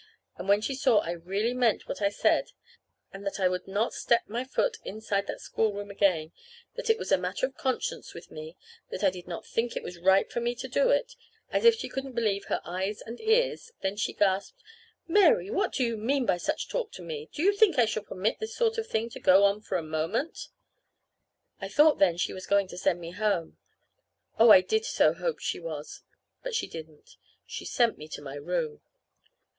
And when she saw I really meant what I said, and that I would not step my foot inside that schoolroom again that it was a matter of conscience with me that I did not think it was right for me to do it, she simply stared for a minute, as if she couldn't believe her eyes and ears. Then she gasped: "Mary, what do you mean by such talk to me? Do you think I shall permit this sort of thing to go on for a moment?" I thought then she was going to send me home. Oh, I did so hope she was. But she didn't. She sent me to my room.